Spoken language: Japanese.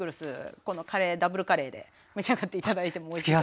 このカレーダブルカレーで召し上がって頂いてもおいしいと思います。